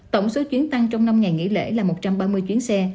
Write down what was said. tổng số chuyến tăng trong năm ngày nghỉ lễ là một trăm ba mươi chuyến xe